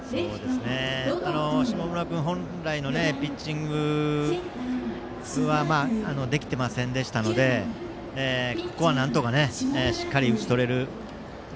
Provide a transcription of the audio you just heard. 下村君、本来のピッチングできていませんでしたのでここはしっかり打ち取れる